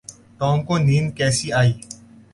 Tom کو نیند کیسی ائی؟